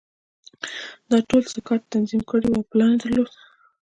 دا ټول سکاټ تنظیم کړي وو او پلان یې درلود